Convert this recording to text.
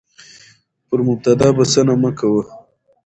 پر مبتدا بسنه مه کوه،